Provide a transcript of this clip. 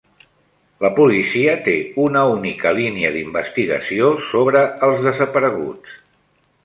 La policia té una única línia d'investigació sobre els desapareguts.